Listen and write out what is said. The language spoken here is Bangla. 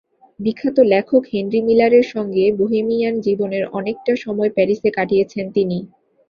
বিখ্যাত লেখক হেনরি মিলারের সঙ্গে বোহেমিয়ান জীবনের অনেকটা সময় প্যারিসে কাটিয়েছেন তিনি।